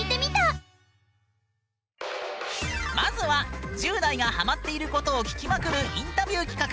まずは１０代がハマっていることを聞きまくるインタビュー企画。